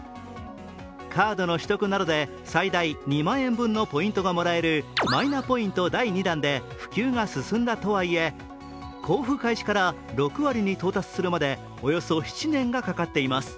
カードの取得などで最大２万円分のポイントがもらえるマイナポイント第２弾で普及が進んだとはいえ交付開始から６割に到達するまでおよそ７年がかかっています。